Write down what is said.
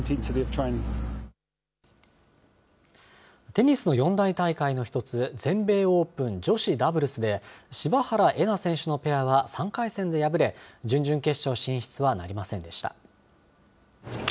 テニスの四大大会の一つ、全米オープン女子ダブルスで、柴原瑛菜選手のペアは３回戦で敗れ、準々決勝進出はなりませんでした。